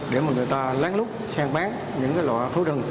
để mà người ta lén lút săn bán những loại thú rừng